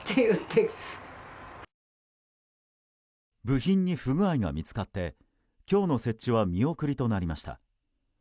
部品に不具合が見つかって今日の設置は見送りとなりました。